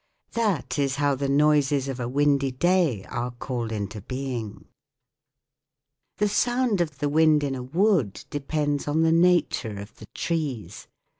That is how the noises of a windy day are called into being. 124 THE WORLD OF SOUND The sound of the wind in a wood depends on the nature of the trees.